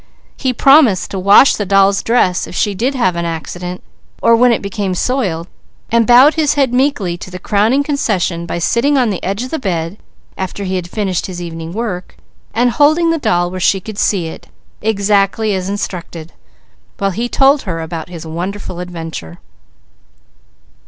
He promised to wash the doll's dress if she did have an accident, or when it became soiled, and bowed his head meekly to the crowning concession by sitting on the edge of the bed, after he had finished his evening work, and holding the doll where she could see it, exactly as instructed, while he told her about his wonderful adventure.